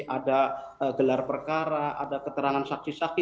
ada gelar perkara ada keterangan saksi saksi